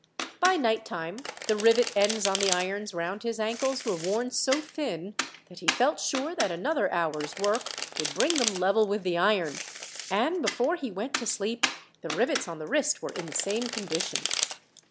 By nighttime the rivet ends on the irons round his ankles were worn so thin, that he felt sure that another hour's work would bring them level with the iron, and before he went to sleep the rivets on the wrist were in the same condition.